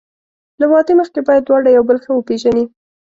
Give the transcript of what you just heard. له واده مخکې باید دواړه یو بل ښه وپېژني.